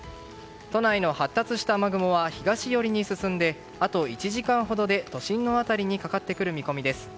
都内の発達した雨雲は東寄りに進んであと１時間ほどで都心の辺りにかかってくる見込みです。